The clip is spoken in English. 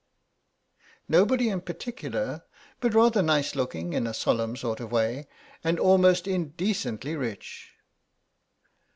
"Nobody in particular, but rather nice looking in a solemn sort of way, and almost indecently rich."